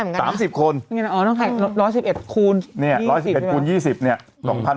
อ๋อน้องแข็ง๑๑๑คูณ๒๐คูณ